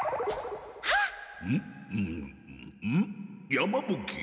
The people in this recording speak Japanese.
山ぶ鬼。